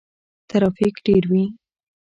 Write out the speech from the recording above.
ترافیک ډیر وي.